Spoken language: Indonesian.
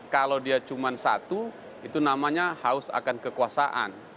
kalau dia cuma satu itu namanya haus akan kekuasaan